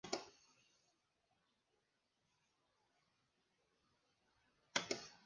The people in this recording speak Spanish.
Con Helen Merrill